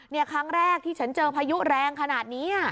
ครั้งแรกที่ฉันเจอพายุแรงขนาดนี้